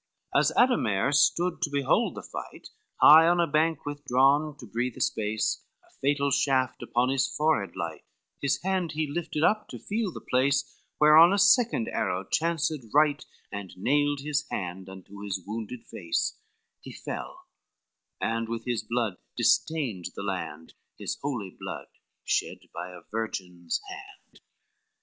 XLIV As Ademare stood to behold the fight High on the bank, withdrawn to breathe a space, A fatal shaft upon his forehead light, His hand he lifted up to feel the place, Whereon a second arrow chanced right, And nailed his hand unto his wounded face, He fell, and with his blood distained the land, His holy blood shed by a virgin's hand.